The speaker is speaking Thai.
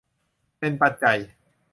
เป็นปัจจัย